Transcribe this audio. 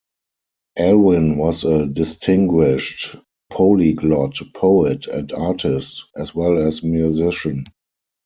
Alwyn was a distinguished polyglot, poet, and artist, as well as musician.